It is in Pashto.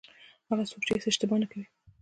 هغه څوک چې هېڅ اشتباه نه کوي.